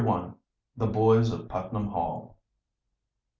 THE BOYS OF PUTNAM HALL.